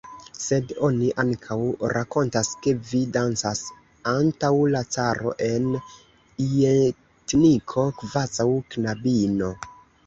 Sed oni ankaŭ rakontas, ke vi dancas antaŭ la caro en ljetniko kvazaŭ knabino!